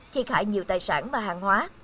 thiệt hại nhiều tài sản và hàng hóa